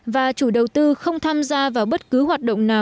và chủ đầu tư không tham gia vào bất cứ hoạt động nào